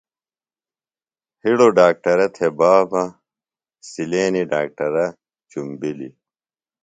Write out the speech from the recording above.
ہڑوۡ ڈاکٹرہ تھےۡ بابہ، سِلینیۡ ڈاکٹرہ چُمبِلیۡ